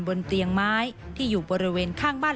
บนเตียงไม้ที่อยู่บริเวณข้างบ้าน